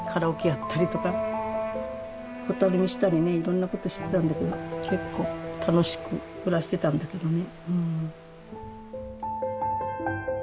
いろんなことしてたんだけど結構楽しく暮らしてたんだけどね。